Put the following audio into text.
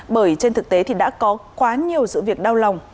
bởi trên thực tế thì đã có quá nhiều sự việc đau lòng